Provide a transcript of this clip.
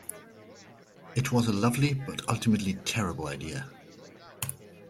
It was a lovely but ultimately terrible idea.